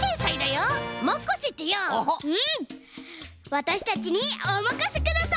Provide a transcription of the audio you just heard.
わたしたちにおまかせください！